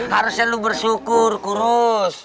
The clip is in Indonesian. harusnya lo bersyukur kurus